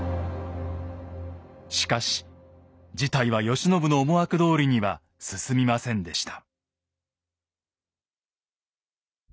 しかし事態は慶喜の思惑どおりには進みませんでした。